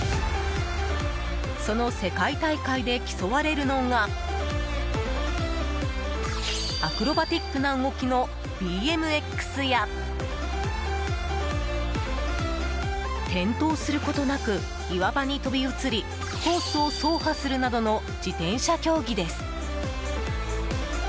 その世界大会で競われるのがアクロバティックな動きのＢＭＸや転倒することなく岩場に飛び移りコースを走破するなどの自転車競技です。